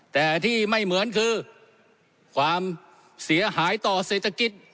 แต่ที่ไม่เหมือนคือความเสียหายต่อเศรษฐกิจ